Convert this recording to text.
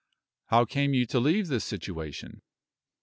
"How came you to leave this situation?"